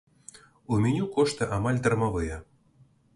У меню кошты амаль дармавыя.